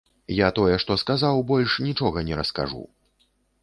Я тое што сказаў, больш нічога не раскажу.